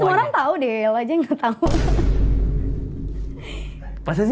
kayaknya semua orang tau deh lo aja yang gak tau